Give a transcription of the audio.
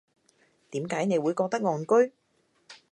點解你會覺得戇居